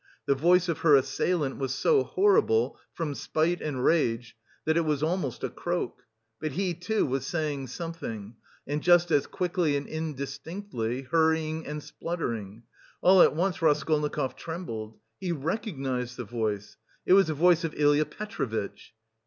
The voice of her assailant was so horrible from spite and rage that it was almost a croak; but he, too, was saying something, and just as quickly and indistinctly, hurrying and spluttering. All at once Raskolnikov trembled; he recognised the voice it was the voice of Ilya Petrovitch.